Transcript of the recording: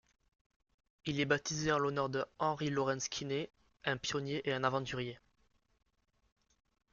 Il est baptisé en l'honneur de Henry Lawrence Kinney, un pionnier et un aventurier.